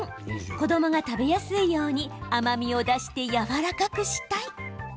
子どもが食べやすいように甘みを出してやわらかくしたい。